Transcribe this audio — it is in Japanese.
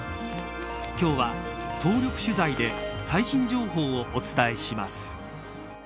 今日は、総力取材で最新情報をお伝えします。